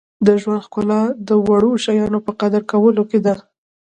• د ژوند ښکلا د وړو شیانو په قدر کولو کې ده.